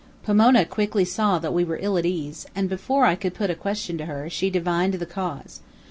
Pomona quickly saw that we were ill at ease, and before I could put a question to her, she divined the cause.